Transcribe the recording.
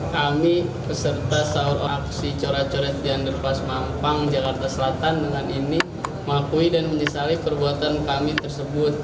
kami peserta sahur aksi corak coret di underpass mampang jakarta selatan dengan ini mengakui dan menyesali perbuatan kami tersebut